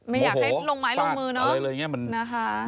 ไม่อยากให้ลงไม้ลงมือเนอะ